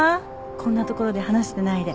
こんな所で話してないで。